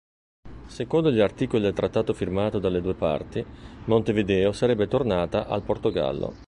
Secondo gli articoli del trattato firmato dalle due parti, Montevideo sarebbe tornata al Portogallo.